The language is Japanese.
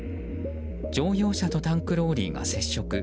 乗用車とタンクローリーが接触。